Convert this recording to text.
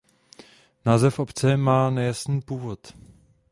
Název obce má nejasný původ.